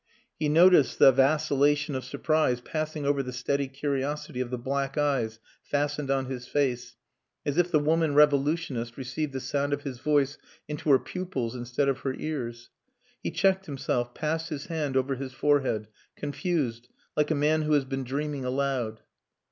He noticed the vacillation of surprise passing over the steady curiosity of the black eyes fastened on his face as if the woman revolutionist received the sound of his voice into her pupils instead of her ears. He checked himself, passed his hand over his forehead, confused, like a man who has been dreaming aloud.